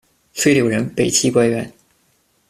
崔柳人，北齐官员。